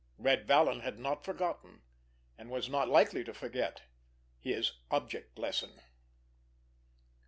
Red Vallon had not forgotten, and was not likely to forget, his "object lesson!"